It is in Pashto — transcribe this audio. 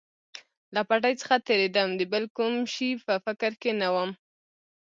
له پټۍ څخه تېرېدم، د بل کوم شي په فکر کې نه ووم.